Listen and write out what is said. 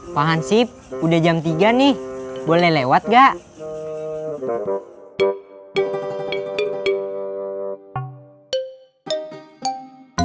pak hansip udah jam tiga nih boleh lewat gak